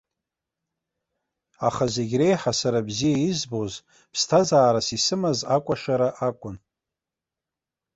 Аха зегь реиҳа сара бзиа избоз, ԥсҭазаарас исымаз акәашара акәын.